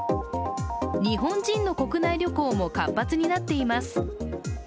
日本人の国内旅行も活発になっています。